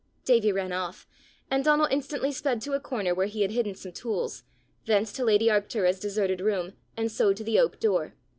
Davie ran off, and Donal instantly sped to a corner where he had hidden some tools, thence to lady Arctura's deserted room, and so to the oak door.